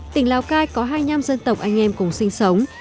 tỉnh lào cai có hai mươi năm dân tộc anh em cùng sinh sống